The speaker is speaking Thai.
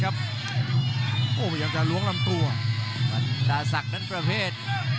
บรรดาศักดิ์นั้นประเภท